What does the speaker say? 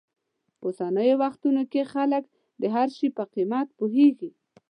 په اوسنیو وختونو کې خلک د هر شي په قیمت پوهېږي.